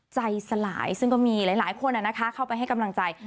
สลายซึ่งก็มีหลายคนเข้าไปให้กำลังใจ